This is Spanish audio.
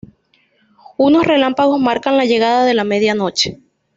Unos relámpagos marcan la llegada de la medianoche.